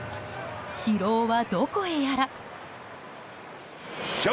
疲労はどこへやら。